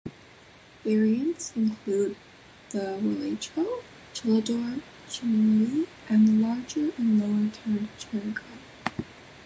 Variants include the walaycho, chillador, chinlili, and the larger and lower-tuned charangon.